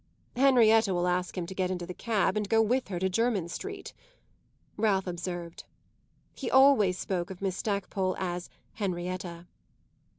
"Henrietta will ask him to get into the cab and go with her to Jermyn Street," Ralph observed. He always spoke of Miss Stackpole as Henrietta.